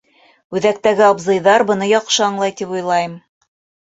Үҙәктәге абзыйҙар быны яҡшы аңлай, тип уйлайым.